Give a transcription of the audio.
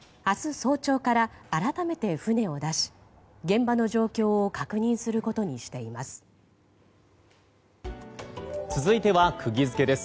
早朝から改めて船を出し現場の状況を確認することにしています。